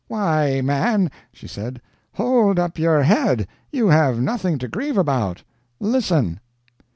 "Why, man," she said, "hold up your head you have nothing to grieve about. Listen.